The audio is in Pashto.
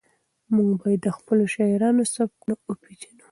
موږ باید د خپلو شاعرانو سبکونه وپېژنو.